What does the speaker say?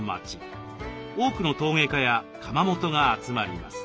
多くの陶芸家や窯元が集まります。